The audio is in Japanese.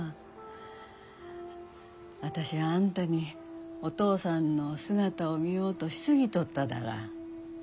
私あんたにお父さんの姿を見ようとしすぎとっただら。